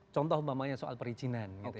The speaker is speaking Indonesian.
contoh umpamanya soal perizinan